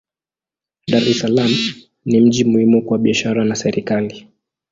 Dar es Salaam ni mji muhimu kwa biashara na serikali.